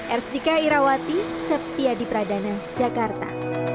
ersdika irawati septya di pradana jakarta